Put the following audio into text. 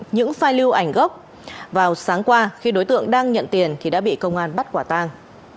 những pha lưu ảnh gốc vào sáng qua khi đối tượng đang nhận tiền thì đã bị công an bắt quả tang